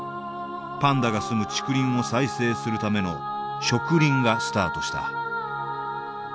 パンダが住む竹林を再生するための植林がスタートした。